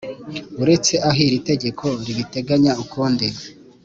Uretse aho iri tegeko ribiteganya ukundi